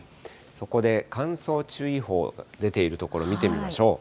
そこで乾燥注意報、出ている所、見てみましょう。